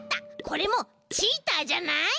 これもチーターじゃない？